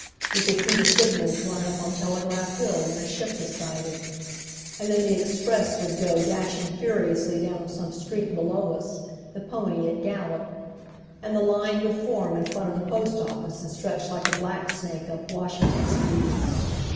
We could see the signals run up on Telegraph Hill when a ship was sighted. And then the "express" would go dashing furiously down some street below us, the pony at gallop; and the line would form in front of the post office and stretch like a black snake up Washington Street.